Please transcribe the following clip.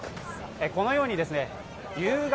このように、夕方。